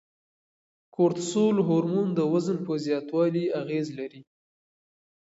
کورتسول هورمون د وزن په زیاتوالي اغیز لري.